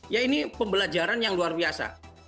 ya ini pembelajaran yang luar biasa